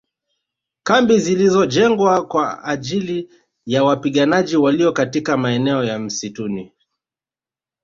Kambi zilizojengwa kwa ajili ya wapiganaji walio katika maeneo ya msituni